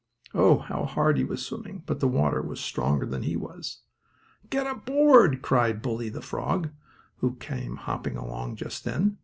Oh, how hard he was swimming, but the water was stronger than he was. "Get a board!" cried Bully, the frog, who came hopping along just then.